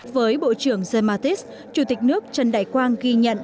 với bộ trưởng giai ma tít chủ tịch nước trần đại quang ghi nhận